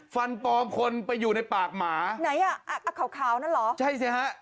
ฟันปลอมคนไปอยู่ในปากหมาไหนอ่ะขาวขาวนั่นเหรอใช่สิฮะ